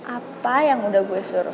apa yang udah gue suruh